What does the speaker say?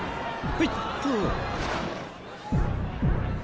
ほいっと。